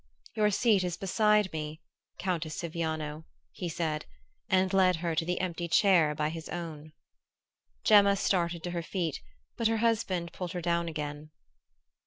"Your seat is beside me, Countess Siviano," he said, and led her to the empty chair by his own. Gemma started to her feet, but her husband pulled her down again.